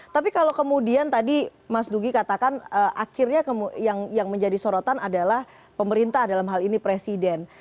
tapi kalau kemudian tadi mas dugi katakan akhirnya yang menjadi sorotan adalah pemerintah dalam hal ini presiden